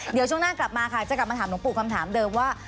เดี๋ยวช่วงหน้ากลับมาค่ะจะกลับมาถามหลวงปู่คำถามเดิมว่า